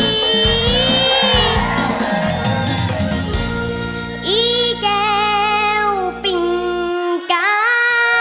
อีเกียววิ่งกา